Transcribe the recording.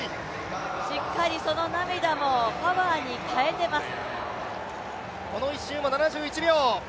しっかりその涙もパワーに変えてます。